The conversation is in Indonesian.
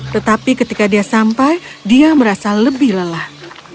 tetapi ketika dia sampai dia merasa lebih lelah